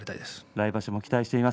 来場所も期待しています。